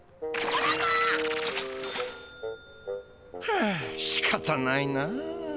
はあしかたないなあ。